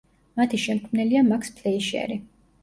მათი შემქმნელია მაქს ფლეიშერი.